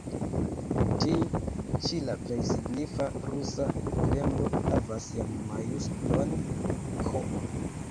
Tiu ĉi la plej signifa rusa Kremlo havas jam majusklon „K“.